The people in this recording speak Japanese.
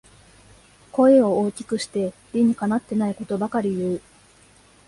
声を大きくして理にかなってないことばかり言う